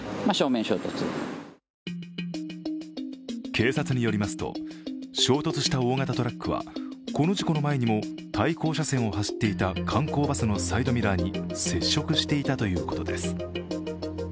警察によりますと、衝突した大型トラックはこの事故の前にも対向車線を走っていた観光バスのサイドミラーに接触していたということです。